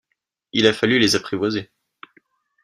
Il a fallu les apprivoiser.